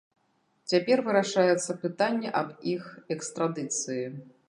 Цяпер вырашаецца пытанне аб іх экстрадыцыі.